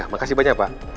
makasih banyak pak